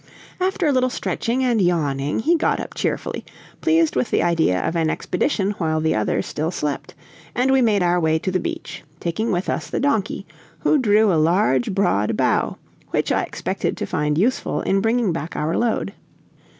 After a little stretching and yawning, he got up cheerfully, pleased with the idea of an expedition while the others still slept, and we made our way to the beach, taking with us the donkey, who drew a large broad bough, which I expected to find useful in bringing back our load.